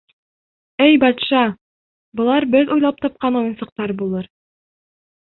— Эй батша, былар беҙ уйлап тапҡан уйынсыҡтар булыр.